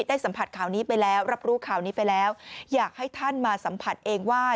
สัมผัสข่าวนี้ไปแล้วรับรู้ข่าวนี้ไปแล้วอยากให้ท่านมาสัมผัสเองว่า